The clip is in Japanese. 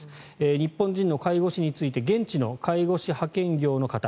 日本人の介護士について現地の介護士派遣業の方。